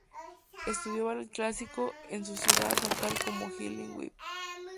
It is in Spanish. Estudió ballet clásico en su ciudad natal con Helen Webb.